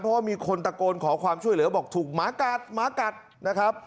เพราะว่ามีคนตะโกนขอความช่วยเหลือบอกถูกหมากัดหมากัดนะครับ